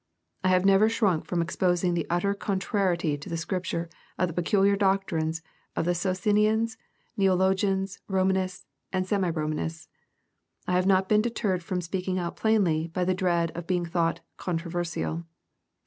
I have never shrunk from exposing the utter contrariety to Scripture of the peculiar doc trines of Socinians, Neologians, Eomanists, and Semi Eomanists. I have not been deterred from speaking out plainly by the dread of being thought " controver sial."